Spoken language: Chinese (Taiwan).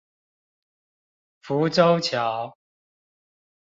浮洲橋